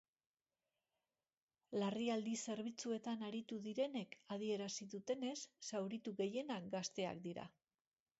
Larrialdi zerbitzuetan aritu direnek adierazi dutenez, zauritu gehienak gazteak dira.